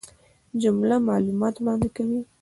جمله معلومات وړاندي کوي.